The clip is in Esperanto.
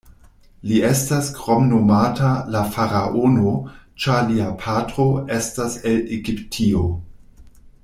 Li estas kromnomata "la faraono", ĉar lia patro estas el Egiptio.